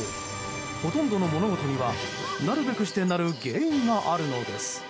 ほとんどの物事にはなるべくしてなる原因があるのです。